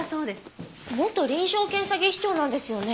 元臨床検査技師長なんですよね？